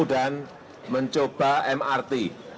dan mencoba mrt